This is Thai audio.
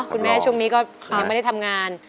คุณแม่ช่วงนี้ก็ไม่ได้ทำงาน